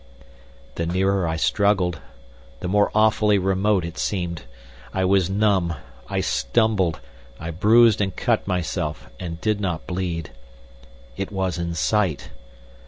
The nearer I struggled, the more awfully remote it seemed. I was numb, I stumbled, I bruised and cut myself and did not bleed. It was in sight.